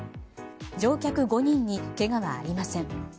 乗客５人にけがはありません。